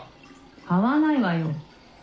・買わないわよ。